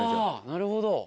なるほど。